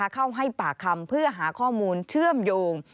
เข้าให้ปากคำเพื่อหาข้อมูลเชื่อมโยง